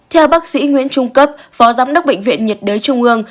theo bác sĩ nguyễn trung cấp phó giám đốc bệnh viện nhiệt đới trung ương